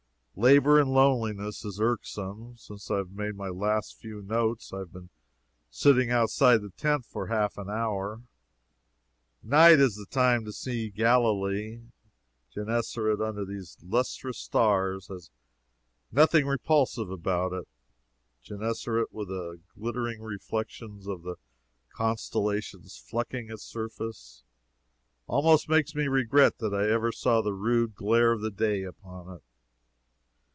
Labor in loneliness is irksome. Since I made my last few notes, I have been sitting outside the tent for half an hour. Night is the time to see Galilee. Genessaret under these lustrous stars has nothing repulsive about it. Genessaret with the glittering reflections of the constellations flecking its surface, almost makes me regret that I ever saw the rude glare of the day upon it.